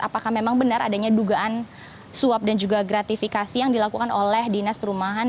apakah memang benar adanya dugaan suap dan juga gratifikasi yang dilakukan oleh dinas perumahan